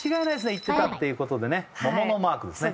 行ってたってことでね桃のマークですね